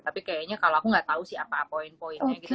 tapi kayaknya kalau aku gak tau sih apa poin poinnya gitu